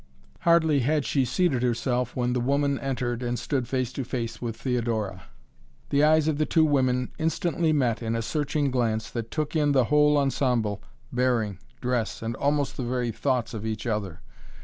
Hardly had she seated herself when the woman entered and stood face to face with Theodora. The eyes of the two women instantly met in a searching glance that took in the whole ensemble, bearing, dress and almost the very thoughts of each other.